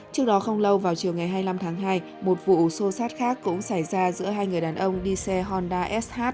trước đó không lâu vào chiều ngày hai mươi năm tháng hai một vụ xô xát khác cũng xảy ra giữa hai người đàn ông đi xe honda sh